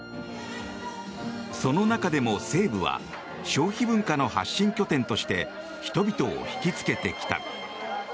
その中でも西武は消費文化の発信拠点として人々を引きつけてきた。